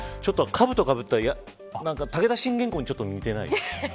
かぶとをかぶった武田信玄公にちょっと似てない。